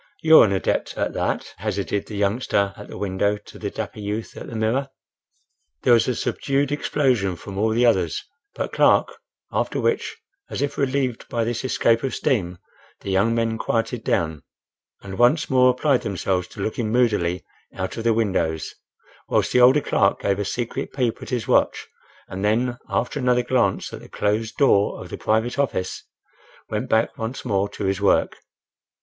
You're an adept at that," hazarded the youngster at the window to the dapper youth at the mirror. There was a subdued explosion from all the others but Clark, after which, as if relieved by this escape of steam, the young men quieted down, and once more applied themselves to looking moodily out of the windows, whilst the older clerk gave a secret peep at his watch, and then, after another glance at the closed door of the private office, went back once more to his work.